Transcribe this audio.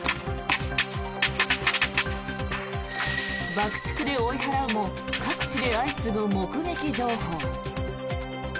爆竹で追い払うも各地で相次ぐ目撃情報。